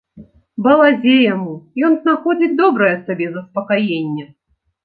Балазе яму, ён знаходзіць добрае сабе заспакаенне.